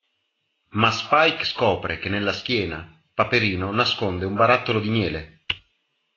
Ma Spike scopre che nella schiena, Paperino nasconde un barattolo di miele.